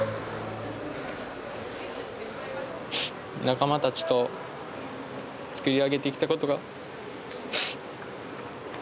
仲間たちと作り上げてきたことが。